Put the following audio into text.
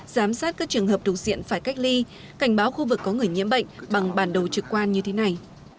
giám sát các trường hợp thuộc diện phải cách ly cảnh báo khu vực có người nhiễm bệnh bằng bản đồ trực quan như thế này